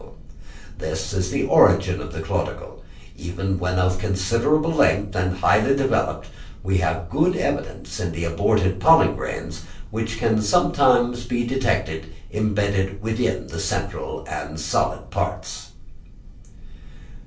That this is the origin of the caudicle, even when of considerable length and highly developed, we have good evidence in the aborted pollen grains which can sometimes be detected embedded within the central and solid parts.